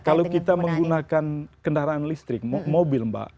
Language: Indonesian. kalau kita menggunakan kendaraan listrik mobil mbak